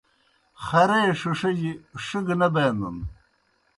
خرے ݜِݜِجیْ ݜِگہ نہ بینَن